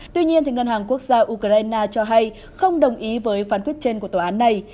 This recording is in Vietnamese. tuy nhiên ngân hàng quốc gia ukraine cho hay không đồng ý với phán quyết trên của tòa án này